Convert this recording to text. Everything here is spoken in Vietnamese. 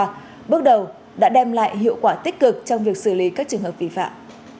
đó là lúc đầu đã đem lại hiệu quả tích cực trong việc xử lý các trường hợp vi phạm